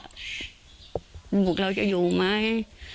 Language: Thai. บุญธันบอกว่าเราจะอยู่ไหม